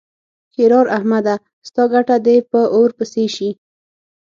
ښېرار: احمده! ستا ګټه دې په اور پسې شي.